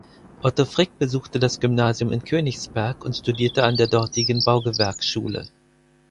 Otto Frick besuchte das Gymnasium in Königsberg und studierte an der dortigen Baugewerkschule.